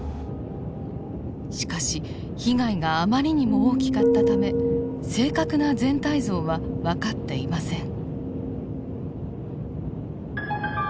しかし被害があまりにも大きかったため正確な全体像は分かっていません。